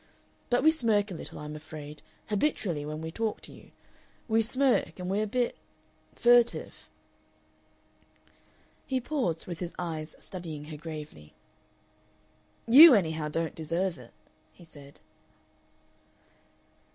But we smirk a little, I'm afraid, habitually when we talk to you. We smirk, and we're a bit furtive." He paused, with his eyes studying her gravely. "You, anyhow, don't deserve it," he said.